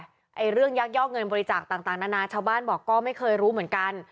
เรื่องยักยอกเงินบริจาคต่างนานาชาวบ้านบอกก็ไม่เคยรู้เหมือนกัน